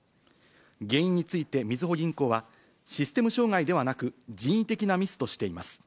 原因についてみずほ銀行は、システム障害ではなく、人為的なミスとしています。